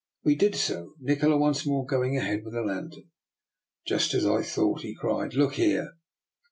We did so, Nikola once more going ahead with the lantern. " Just as I thought," he cried. " Look here."